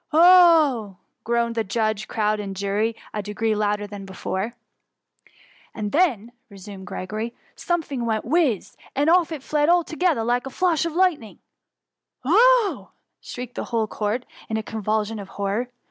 Oh !" groaned the judge, crowd, and jury, a degree louder than before. THE MUMMY. SSD " And then,'' resumed Gregory, something went whiz, and off it all fled together like a flash of lightning —^"" Oh !^ shrieked the whole Court, in a con vulsion of horror.